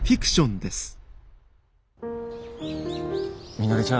みのりちゃん